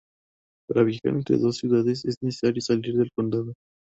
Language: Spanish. Para viajar entre las dos ciudades es necesario salir del condado.